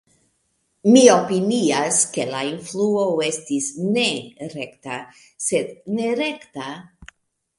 Mi opinias, ke la influo estis ne rekta, sed nerekta.